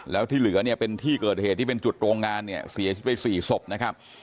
แล้วที่เหลือเนี่ยเป็นที่เกิดเหตุที่เป็นจุดโรงงานเนี่ยเสียชีวิตไป๔ศพนะครับ